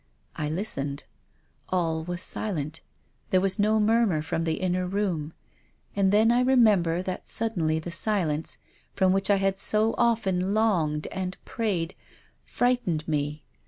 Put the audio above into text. I listened. All was silent. There was no murmur from the inner room. And then I re member that suddenly the silence, for which I had so often longed and prayed, frightened me.